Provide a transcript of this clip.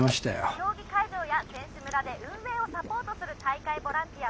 「選手村で運営をサポートする大会ボランティアと」。